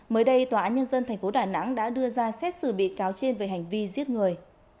mới đây tòa án nhân dân tp đà nẵng đã đưa ra xét xử bị cáo trên về hành vi giết người